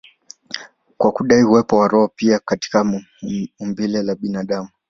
kwa kudai uwepo wa roho pia katika umbile la binadamu.